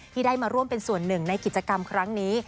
ที่ได้มาร่วมเป็นส่วนหนึ่งในกิจกรรมครั้งนี้